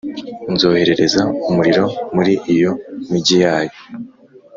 nzohereza umuriro muri iyo migi yayo,